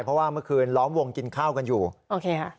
เพราะว่าเมื่อคืนล้อมวงกินข้าวกันอยู่โอเคค่ะ